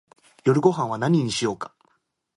夜ごはんは何にしようか